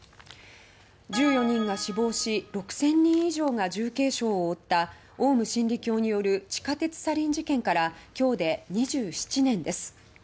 １４人が死亡し６０００人以上が重軽傷を負ったオウム真理教による地下鉄サリン事件からきょうで２７年です。